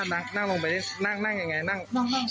นั่งลงไปนั่งนั่งยังไงนั่ง